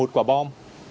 một quả bom